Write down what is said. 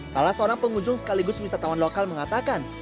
salah seorang pengunjung sekaligus wisatawan lokal mengatakan